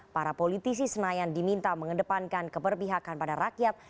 para politisi senayan diminta mengedepankan keberpihakan pada rakyat